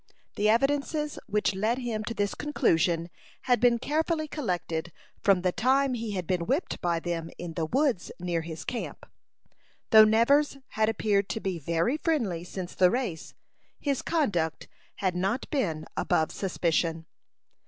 The evidences which led him to this conclusion had been carefully collected from the time he had been whipped by them in the woods near the camp. Though Nevers had appeared to be very friendly since the race, his conduct had not been above suspicion.